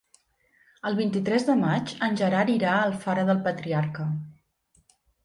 El vint-i-tres de maig en Gerard irà a Alfara del Patriarca.